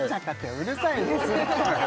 うるさいですよ